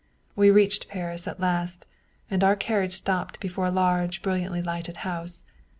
We reached Paris at last, and our carriage stopped before a large brilliantly lighted house.